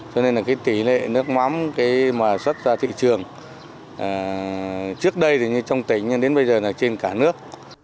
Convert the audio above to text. cho nên là cái tỷ lệ nước mắm mà xuất ra thị trường trước đây thì như trong tỉnh nhưng đến bây giờ là trên cả nước